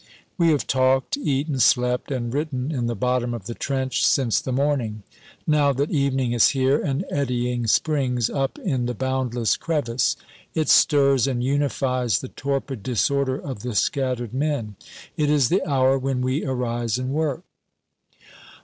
We have talked, eaten, slept, and written in the bottom of the trench since the morning. Now that evening is here, an eddying springs up in the boundless crevice; it stirs and unifies the torpid disorder of the scattered men. It is the hour when we arise and work.